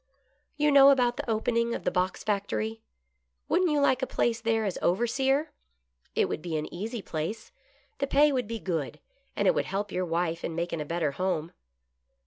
"You know about the opening of the box factory. Wouldn't you like a place there as overseer.^ It would be an easy place, the pay would be good, and it would help your wife in making a better home."